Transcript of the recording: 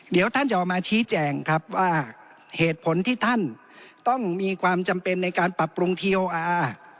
เดี๋ยวท่านจะออกมาชี้แจงครับว่าเหตุผลที่ท่านต้องมีความจำเป็นในการปรับปรุงทีโออาร์